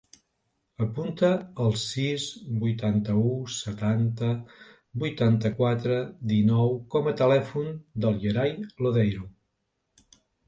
Apunta el sis, vuitanta-u, setanta, vuitanta-quatre, dinou com a telèfon del Yeray Lodeiro.